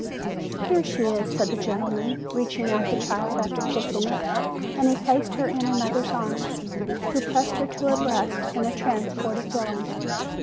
"Here she is," said the gentleman, reaching out the child after kissing it; and he placed her in her mother's arms, who pressed her to her breast in a transport of feeling.